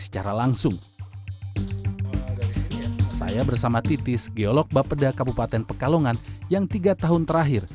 secara langsung saya bersama titis geolog bapeda kabupaten pekalongan yang tiga tahun terakhir